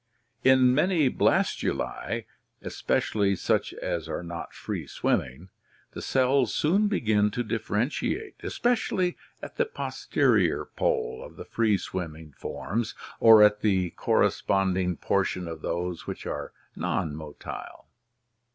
In many bias tube, especially such as are not free swimming, the cells soon begin to differentiate, especially at the posterior pole of the free swimming forms or at the corresponding portion of those which are non motile.